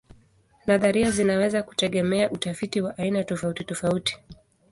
Nadharia zinaweza kutegemea utafiti wa aina tofautitofauti.